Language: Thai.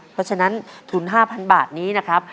เพราะฉะนั้นทุน๕๐๐บาทนี้นะครับ